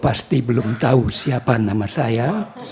pasti belum tahu siapa nama saya